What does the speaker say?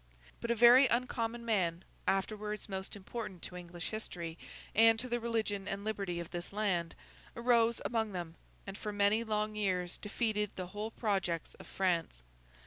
But, a very uncommon man, afterwards most important to English history and to the religion and liberty of this land, arose among them, and for many long years defeated the whole projects of France.